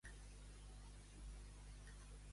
Qui necessita retxa, no necessita metge.